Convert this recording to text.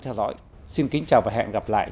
theo dõi xin kính chào và hẹn gặp lại